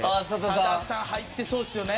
さださん入ってそうですよね？